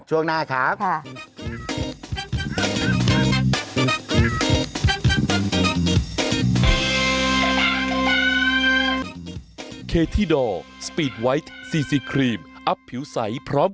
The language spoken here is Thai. ช่วงหน้าครับ